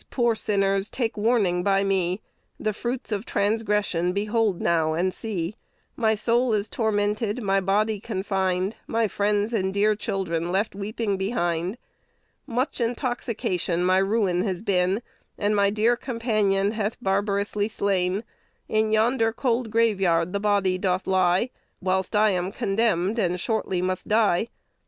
poor sinners, take warning by me: The fruits of transgression behold now, and see; My soul is tormented, my body confined, My friends and dear children left weeping behind. "Much intoxication my ruin has been, And my dear companion hath barbarously slain: In yonder cold graveyard the body doth lie; Whilst I am condemned, and shortly must die.